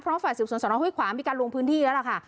เพราะฝ่ายสืบสวนสนห้วยขวางมีการลงพื้นที่แล้วล่ะค่ะ